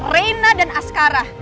reina dan askara